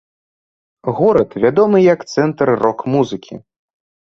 Горад вядомы як цэнтр рок-музыкі.